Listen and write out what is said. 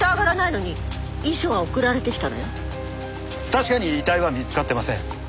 確かに遺体は見つかってません。